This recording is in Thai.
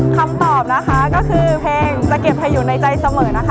คำตอบนะคะก็คือเพลงสะเก็บให้อยู่ในใจเสมอนะคะ